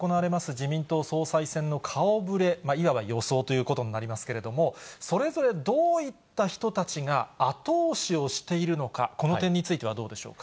自民党総裁選の顔ぶれ、いわば予想ということになりますけれども、それぞれどういった人たちが後押しをしているのか、この点についてはどうでしょうか。